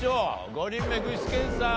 ５人目具志堅さん